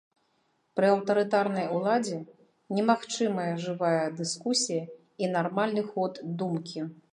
Пры аўтарытарнай уладзе немагчымая жывая дыскусія і нармальны ход думкі.